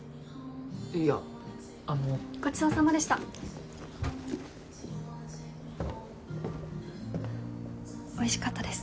いやあのごちそうさまでしたおいしかったです